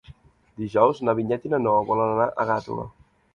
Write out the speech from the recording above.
Dijous na Vinyet i na Noa volen anar a Gàtova.